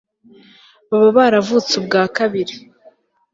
baba baravutse ubwa kabiri